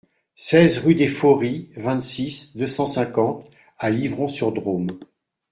seize rue des Fauries, vingt-six, deux cent cinquante à Livron-sur-Drôme